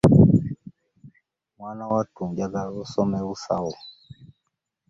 Mwana wattu njagala osome busawo.